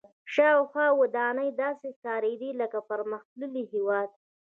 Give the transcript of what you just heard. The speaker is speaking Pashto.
شاوخوا ودانۍ داسې ښکارېدې لکه پرمختللي هېواد.